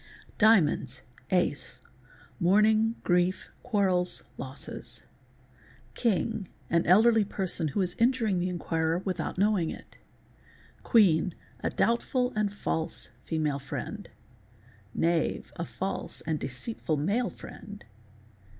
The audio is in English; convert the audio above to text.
_ Diamonps.—Ace—mourning, grief, quarrels, losses. King—an elderly person who is injuring the inquirer without knowing it. Qwueen—a — doubtful and false female friend. Anave—a false and deceitful male friend.